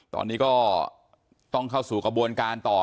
ตอนนี้ก็ต้องเข้าสู่กระบวนการต่อ